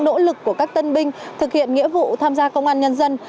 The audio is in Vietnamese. nỗ lực của các tân binh thực hiện nghĩa vụ tham gia công an nhân dân